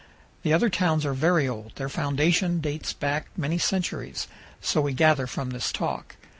The other towns are very old; their foundation dates back many centuries so we gather from this talk.